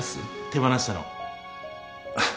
手放したの。